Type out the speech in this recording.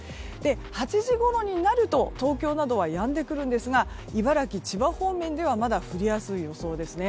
８時ごろになると東京などはやんでくるんですが茨城、千葉方面ではまだ降りやすい予想ですね。